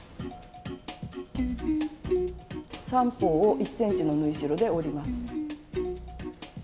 ３方を１ｃｍの縫い代で折ります。